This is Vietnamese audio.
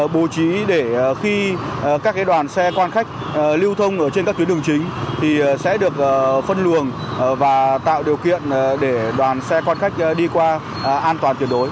bố trí để khi các đoàn xe quan khách lưu thông trên các tuyến đường chính thì sẽ được phân luồng và tạo điều kiện để đoàn xe quan khách đi qua an toàn tuyệt đối